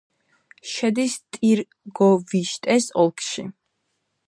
შედის ტირგოვიშტეს ოლქში.